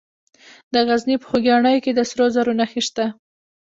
د غزني په خوږیاڼو کې د سرو زرو نښې شته.